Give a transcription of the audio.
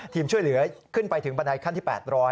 ทีมช่วยเหลือขึ้นไปถึงบันไดขั้นที่๘๐๐